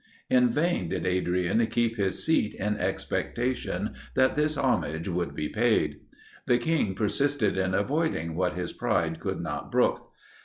In vain did Adrian keep his seat in expectation that this homage, would be paid; the king persisted in avoiding what his pride could not brook.